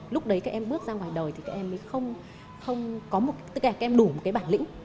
lúc đấy các em bước ra ngoài đời thì các em đủ một bản lĩnh